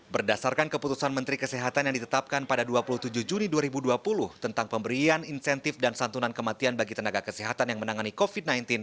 berdasarkan keputusan menteri kesehatan yang ditetapkan pada dua puluh tujuh juni dua ribu dua puluh tentang pemberian insentif dan santunan kematian bagi tenaga kesehatan yang menangani covid sembilan belas